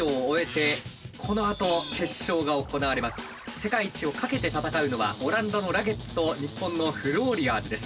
世界一をかけて戦うのはオランダのラゲッズと日本のフローリアーズです。